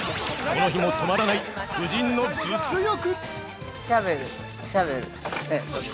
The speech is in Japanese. ◆この日も止まらない、夫人の物欲！